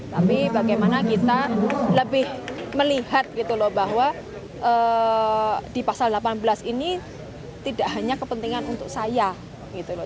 tapi bagaimana kita lebih melihat gitu loh bahwa di pasal delapan belas ini tidak hanya kepentingan untuk saya gitu loh